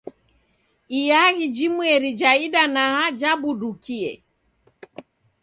Iaghi jimweri ja idanaa jabudukie.